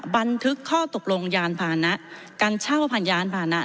บันทึกข้อตกลงยานพานะการเช่าผ่านยานผ่านะ